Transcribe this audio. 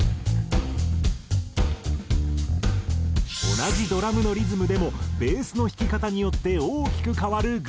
同じドラムのリズムでもベースの弾き方によって大きく変わるグルーヴ。